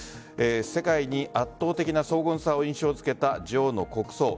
世界に圧倒的な荘厳さを印象付けた女王の国葬。